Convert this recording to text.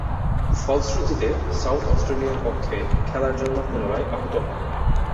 ফলশ্রুতিতে, সাউথ অস্ট্রেলিয়ার পক্ষে খেলার জন্য পুনরায় আহুত হন।